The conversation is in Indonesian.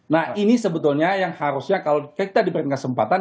nah ini sebetulnya yang harusnya kalau kita diberikan kesempatan